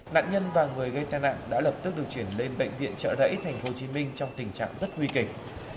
nạn nhân và người gây tai nặng đã lập tức được chuyển lên bệnh viện trợ đẩy thành phố hồ chí minh trong tình trạng rất nguy kịch